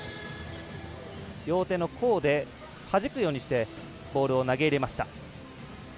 両手の甲ではじくようにしてボールを投げ入れました。